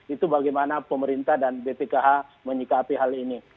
itu bagaimana pemerintah dan bpkh menyikapi hal ini